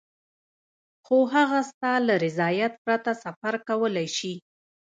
خو هغه ستا له رضایت پرته سفر کولای شي.